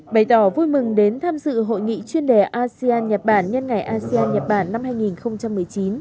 bày tỏ vui mừng đến tham dự hội nghị chuyên đề asean nhật bản nhân ngày asean nhật bản năm hai nghìn một mươi chín